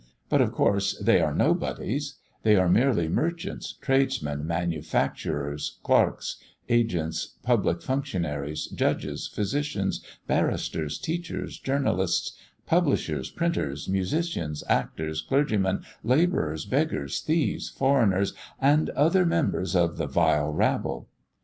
But of course they are "nobodies"; they are merely merchants, tradesmen, manufacturers, clerks, agents, public functionaries, judges, physicians, barristers, teachers, journalists, publishers, printers, musicians, actors, clergymen, labourers, beggars, thieves, foreigners, and other members of the "vile rabble."